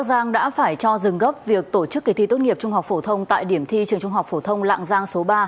đang là học sinh lớp một mươi hai tám của trường trung học của thông bản giang số ba